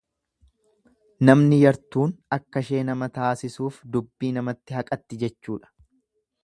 Namni yartuun akkashee nama taasisuuf dubbii namatti haqatti jechuudha.